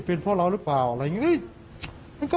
เป็นเพราะเรานักบังหยุดฯอาหารรึเปล่า